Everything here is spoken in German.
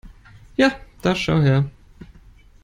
Ja da schau her!